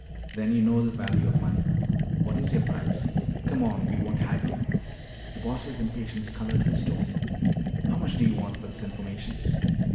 "Then you know the value of money. What is your price? Come on, we won't haggle." The Boss' impatience colored his tone. "How much do you want for this information?"